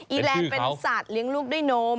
ีแลนด์เป็นสัตว์เลี้ยงลูกด้วยนม